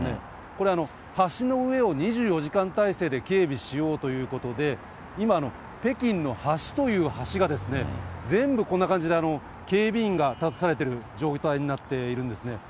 これ、橋の上を２４時間態勢で警備しようということで、今、北京の橋という橋が、全部こんな感じで、警備員が立たされている状態になっているんですね。